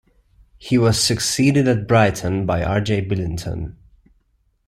He was succeeded at Brighton by R. J. Billinton.